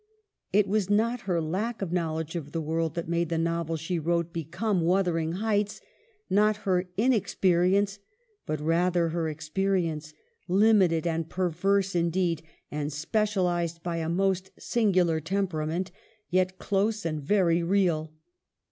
It was not her lack of knowledge of the world that made the novel she wrote become ' Wuthering Heights,' not her inexperience, but rather her experience, limited and perverse, indeed, and specialized by a most singular temperament, yet close and very real.